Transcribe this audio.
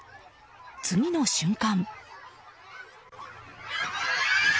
次の瞬間。